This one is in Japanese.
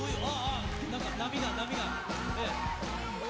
波が、波が。